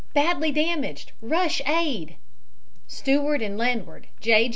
Badly damaged. Rush aid." Seaward and landward, J.